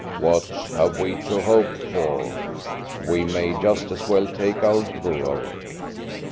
What have we to hope for? We may just as well take our gruel."